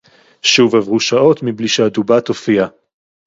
שׁוּב עָבְרוּ שָׁעוֹת מִבְּלִי שֶׁהַדֻּבָּה תּוֹפִיעַ.